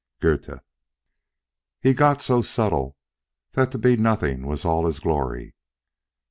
—Gôthe. "He got so subtle that to be Nothing was all his glory."